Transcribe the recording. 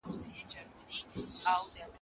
دوی چي ول موږ به هېر کړي يو